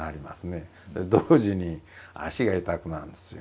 で同時に足が痛くなるんですよね。